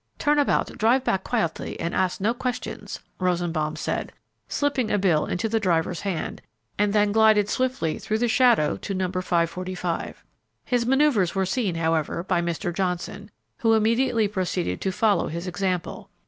"Turn about, drive back quietly, and answer no questions," Rosenbaum said, slipping a bill into the driver's hand, and then glided swiftly through the shadow to No. 545. His maneuvers were seen, however, by Mr. Johnson, who immediately proceeded to follow his example.